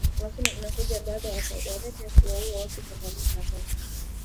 lakini inakuja baada ya Saudi Arabia kuwaua watu themanini na moja